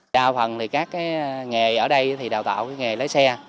đa phần thì các nghề ở đây thì đào tạo cái nghề lái xe